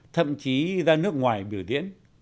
thậm chí ra nước ngoài biểu diễn